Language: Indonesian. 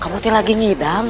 kamu tuh lagi ngidam